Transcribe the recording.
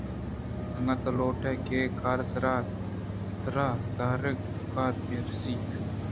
اگاں تو لوٹئے کہ اے کار ءِ سرا ترادارگ ءُپگار بہ رسیت